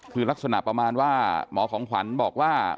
คือลักษณะประมาณว่าหมอของขวัญบอกว่า